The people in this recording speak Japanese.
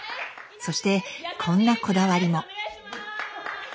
そしてこんなこだわりも。